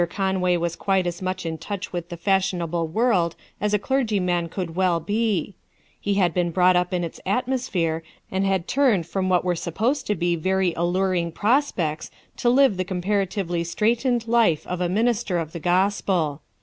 Conway was quite as much in touch with the fashionable world as a clergyman could well be; he had been brought up in its atmosphere and had turned from what were supposed to be very alluring prospects to live the comparatively straitened life of a minister of the gospel.